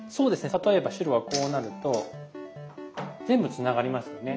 例えば白がこうなると全部つながりますよね。